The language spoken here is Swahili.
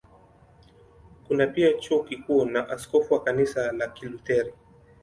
Kuna pia Chuo Kikuu na askofu wa Kanisa la Kilutheri.